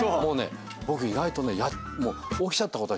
僕意外とね。